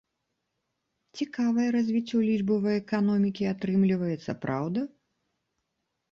Цікавае развіццё лічбавай эканомікі атрымліваецца, праўда?